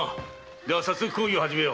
では早速講義を始めよう。